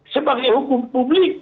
sebagai hukum publik